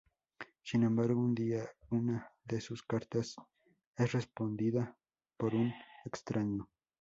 Sin embargo, un día una de sus cartas es respondida por un extraño.